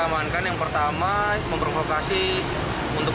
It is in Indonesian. amankan yang pertama memprovokasi untuk